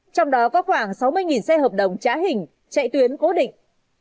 trong đó có khoảng sáu mươi xe hợp đồng trá hình chạy tuyến cố định